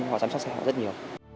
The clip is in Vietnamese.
họ chăm sóc xe họ rất nhiều